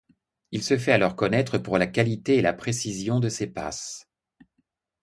Il se fait alors connaître pour la qualité et la précision de ses passes.